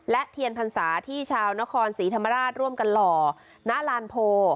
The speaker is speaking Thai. และเทียนพรรษาที่ชาวนครศรีธรรมราชร่วมกันหล่อณลานโพ